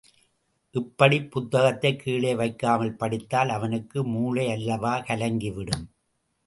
இப்படிப் புத்தகத்தைக் கீழே வைக்காமல் படித்தால் அவனுக்கு மூளையல்லவா கலங்கி விடும்.